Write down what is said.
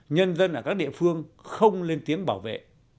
nhân dân ở các địa phương không lên tiếng bảo vệ